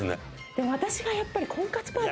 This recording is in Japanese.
でも私がやっぱり。